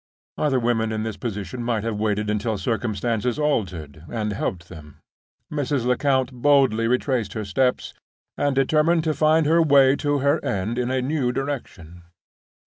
Other women in this position might have waited until circumstances altered, and helped them. Mrs. Lecount boldly retraced her steps, and determined to find her way to her end in a new direction.